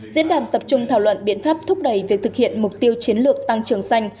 diễn đàn tập trung thảo luận biện pháp thúc đẩy việc thực hiện mục tiêu chiến lược tăng trưởng xanh